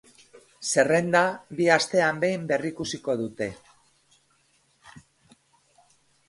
Zerrenda bi astean behin berrikusiko dute.